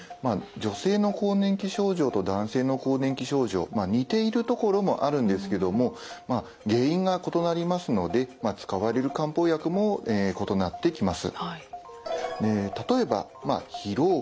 女性の更年期症状と男性の更年期症状似ているところもあるんですけども原因が異なりますので使われる漢方薬も異なってきます。